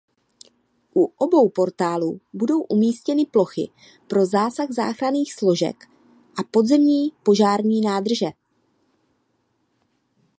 U obou portálů budou umístěny plochy pro zásah záchranných složek a podzemní požární nádrže.